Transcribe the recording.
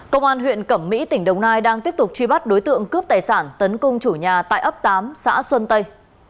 công an huyện cẩm mỹ tỉnh đồng nai đang tiếp tục truy bắt đối tượng cướp tài sản tấn công chủ nhà tại ấp tám xã xuân tây